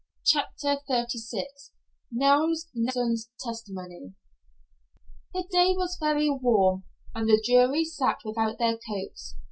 CHAPTER XXXVI NELS NELSON'S TESTIMONY The day was very warm, and the jury sat without their coats.